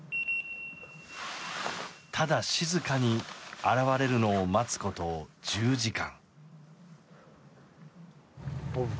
ただ静かに現れるのを待つこと１０時間。